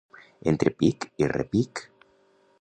Entre pic i repic.